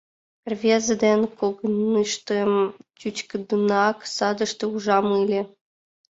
Рвезе ден когыньыштым чӱчкыдынак садыште ужам ыле.